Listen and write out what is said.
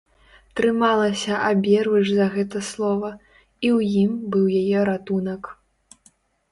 Трымалася аберуч за гэта слова, і ў ім быў яе ратунак.